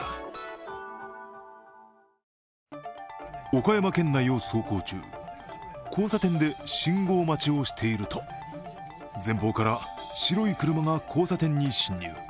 岡山県内を走行中交差点で信号待ちをしていると前方から白い車が交差点に進入。